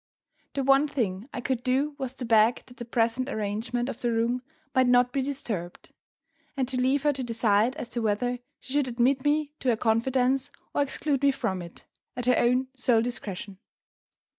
The one thing I could do was to beg that the present arrangement of the room might not be disturbed, and to leave her to decide as to whether she should admit me to her confidence or exclude me from it, at her own sole discretion.